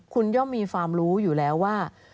คุณย่อมมีความรู้อยู่แล้วว่า